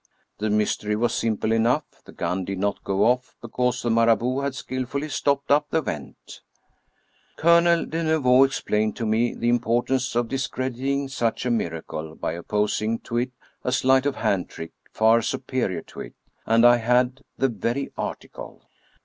The mystery was simple enough; the gun did not go off because the Marabout had skillfully stopped up the vent. Colonel de Neveu explained to me the importance of dis crediting such a miracle by opposing to it a sleight of hand trick far superior to it, and I had the very article.